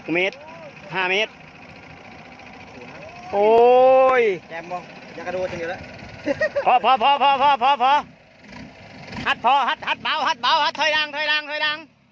๖เมตร๕เมตร